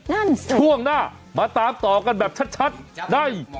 นั่นสิช่วงหน้ามาตามต่อกันแบบชัดใน